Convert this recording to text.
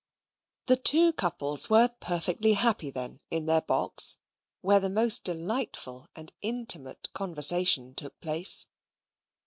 The two couples were perfectly happy then in their box: where the most delightful and intimate conversation took place.